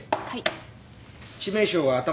はい。